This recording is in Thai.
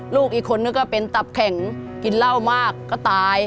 ลูกอีกคนนึงก็เป็นตับแข็งกินเหล้ามากก็ตาย